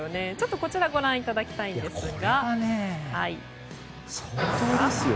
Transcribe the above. こちらご覧いただきたいんですが。